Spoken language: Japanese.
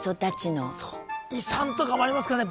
遺産とかもありますからね